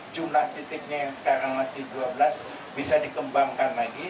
jumlah titiknya yang sekarang masih dua belas bisa dikembangkan lagi